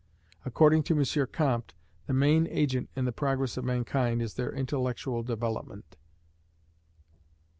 According to M. Comte, the main agent in the progress of mankind is their intellectual development.